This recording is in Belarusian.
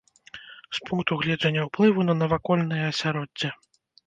З пункту гледжання ўплыву на навакольнае асяроддзе.